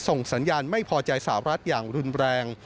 ส่งสัญญาณไม่พอใจสาวรัฐอย่างรุนแรง